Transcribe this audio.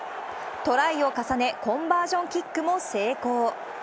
トライを重ね、コンバージョンキックも成功。